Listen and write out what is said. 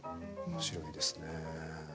面白いですね。